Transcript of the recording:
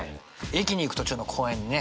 駅に行く途中の公園にね